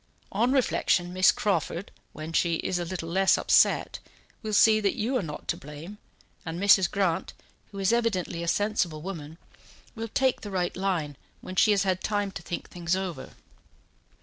On reflection, Miss Crawford, when she is a little less upset, will see that you are not to blame, and Mrs. Grant, who is evidently a sensible woman, will take the right line when she has had time to think things over."